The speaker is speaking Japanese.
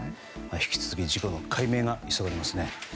引き続き事故の解明が急がれますね。